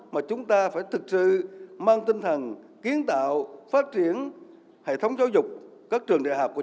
mà chúng ta phải thực sự mang tinh thần kiến tạo phát triển hệ thống giáo dục các trường đại học của